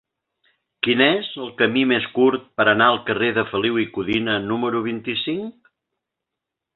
Quin és el camí més curt per anar al carrer de Feliu i Codina número vint-i-cinc?